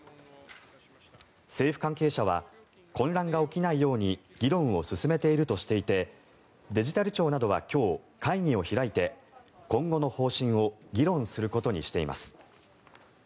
政府関係者は混乱が起きないように議論を進めているとしていてデジタル庁などは今日会議を開いて今後の方針を議論することにしています。